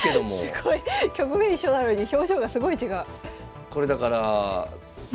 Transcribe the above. すごい。局面一緒なのに表情がすごい違う。